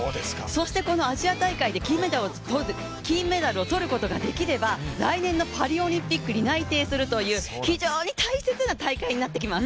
そしてこのアジア大会で金メダルを取ることができれば来年のパリオリンピックに内定するという非常に大切な大会になってきます。